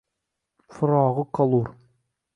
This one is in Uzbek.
Firog’i kolur.